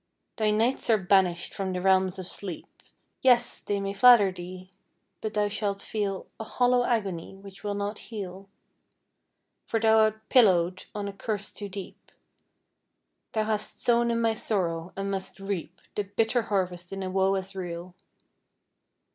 Thy nights are banished from the realms of sleep: Yes! they may flatter thee, but thou shall feel A hollow agony which will not heal, For thou art pillowed on a curse too deep; Thou hast sown in my sorrow, and must reap The bitter harvest in a woe as real!